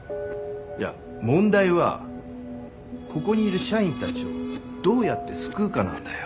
いや問題はここにいる社員たちをどうやって救うかなんだよ。